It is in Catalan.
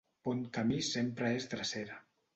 Bon camí sempre és drecera.